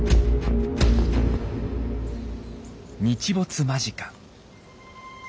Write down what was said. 日没間近。